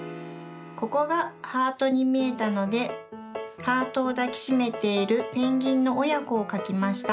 ここがハートにみえたのでハートをだきしめているペンギンのおやこをかきました。